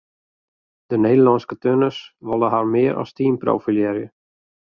De Nederlânske turners wolle har mear as team profilearje.